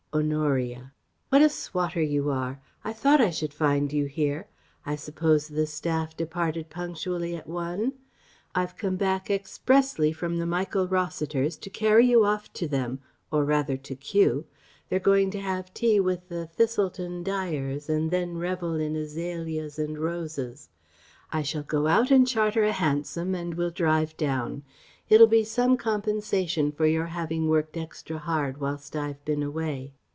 Honoria: "What a swotter you are! I thought I should find you here. I suppose the staff departed punctually at One? I've come back expressly from the Michael Rossiters to carry you off to them or rather to Kew. They're going to have tea with the Thiselton Dyers and then revel in azaleas and roses. I shall go out and charter a hansom and we'll drive down ... it'll be some compensation for your having worked extra hard whilst I've been away....